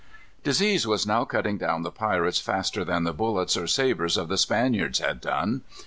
Disease was now cutting down the pirates faster than the bullets or sabres of the Spaniards had done.